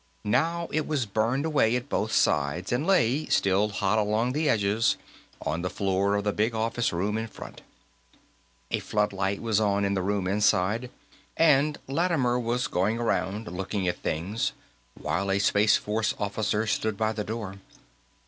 Now it was burned away at both sides and lay, still hot along the edges, on the floor of the big office room in front. A floodlight was on in the room inside, and Lattimer was going around looking at things while a Space Force officer stood by the door.